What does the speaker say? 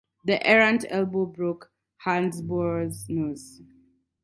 The errant elbow broke Hansbrough's nose.